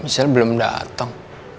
misalnya belum dateng